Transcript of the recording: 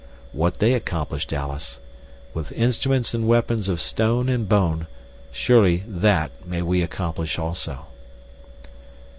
What they accomplished, Alice, with instruments and weapons of stone and bone, surely that may we accomplish also."